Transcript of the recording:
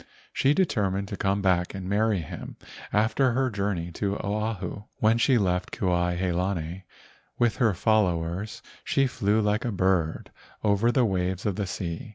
She determined to come back and marry him after her journey to Oahu. When she left Kuai he lani with her followers she flew like a bird over the waves of the sea.